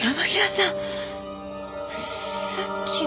さっきの。